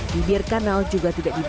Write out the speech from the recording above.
bibir kanal juga tidak dibuat